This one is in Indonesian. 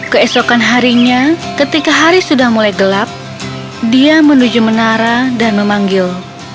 keesokan harinya ketika hari sudah mulai gelap dia menuju menara dan memanggil